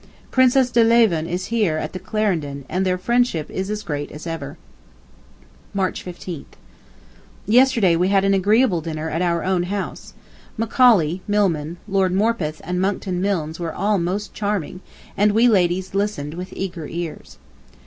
Princess de Lieven is here at the "Clarendon," and their friendship is as great as ever. March 15th. Yesterday we had an agreeable dinner at our own house. Macaulay, Milman, Lord Morpeth and Monckton Milnes were all most charming, and we ladies listened with eager ears.